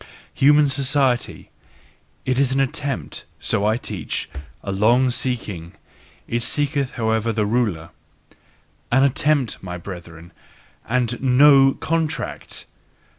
Human society: it is an attempt so I teach a long seeking: it seeketh however the ruler! An attempt, my brethren! And NO "contract"!